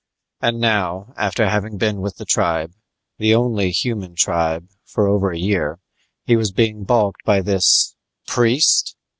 And now, after having been with the tribe the only human tribe for over a year, he was being balked by this priest!